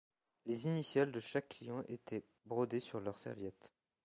Les initiales de chaque client étaient brodées sur leurs serviettes.